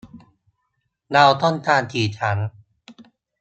เราต้องการกี่ชั้น ?